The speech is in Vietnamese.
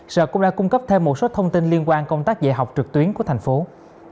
sở cũng đã cung cấp thêm một số thông tin liên quan công tác dạy học trực tuyến của thành phố